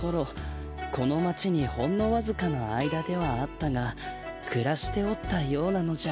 この町にほんのわずかな間ではあったがくらしておったようなのじゃ。